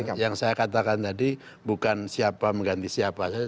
yang saya katakan tadi bukan siapa mengganti siapa saja